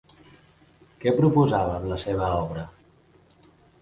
Què proposava amb la seva obra?